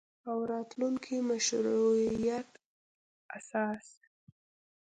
او راتلونکي مشروعیت اساس